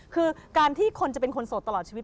คือการที่คนจะเป็นคนโสดตลอดชีวิต